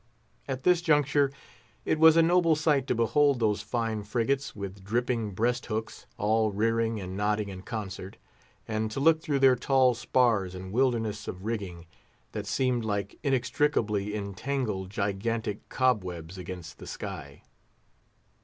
At this juncture, it was a noble sight to behold those fine frigates, with dripping breast hooks, all rearing and nodding in concert, and to look through their tall spars and wilderness of rigging, that seemed like inextricably entangled, gigantic cobwebs against the sky.